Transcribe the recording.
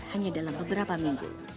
hanya dalam beberapa minggu